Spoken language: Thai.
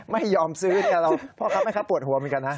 ไม่ยอมซื้อพ่อครับไม่ครับปวดหัวเหมือนกันนะ